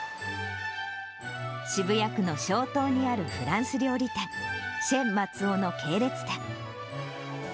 渋谷区の松濤にあるフランス料理店、シェ松尾の系列店。